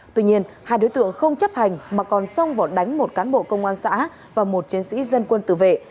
tuy nhiên hai đối tượng không chấp hành mà còn xông vào đánh một cán bộ công an xã và một chiến sĩ dân quân tự vệ